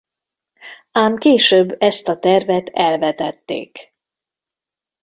Ám később ezt a tervet elvetették.